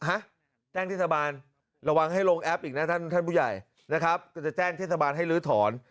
ฮะแจ้งเทศบาลระวังให้ลงแอปอีกนะท่านท่านผู้ใหญ่นะครับก็จะแจ้งเทศบาลให้ลื้อถอน